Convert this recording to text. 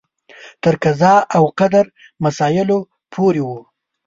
تر قضا او قدر مسایلو پورې و.